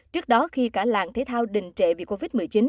trước đó khi cả làng thể thao đình trệ vì covid một mươi chín